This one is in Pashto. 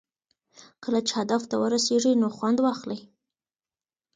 کله چې هدف ته ورسېږئ نو خوند واخلئ.